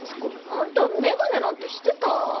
あんた眼鏡なんてしてた？